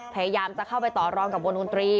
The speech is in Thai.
พยายามจะเข้าไปต่อรองกับวงดนตรี